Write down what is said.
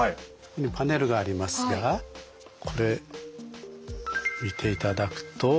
パネルがありますがこれ見ていただくと。